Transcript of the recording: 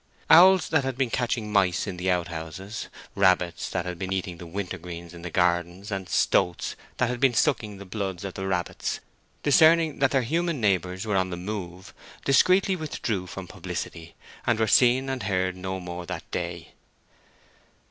Owls that had been catching mice in the out houses, rabbits that had been eating the wintergreens in the gardens, and stoats that had been sucking the blood of the rabbits, discerning that their human neighbors were on the move, discreetly withdrew from publicity, and were seen and heard no more that day.